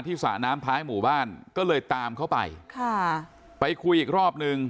สระน้ำท้ายหมู่บ้านก็เลยตามเข้าไปค่ะไปคุยอีกรอบนึง